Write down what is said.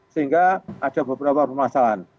sehingga ada beberapa permasalahan